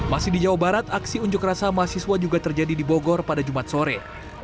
masih di jawa barat aksi unjuk rasa mahasiswa juga terjadi di bogor pada jumat sore